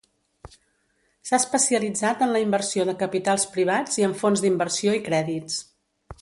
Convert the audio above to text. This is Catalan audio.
S'ha especialitzat en la inversió de capitals privats i en fons d'inversió i crèdits.